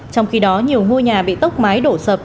trong khi đó nhiều ngôi nhà bị tốc mái đổ sập